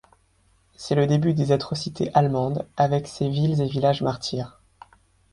C'est le début des atrocités allemandes avec ses villes et villages martyres.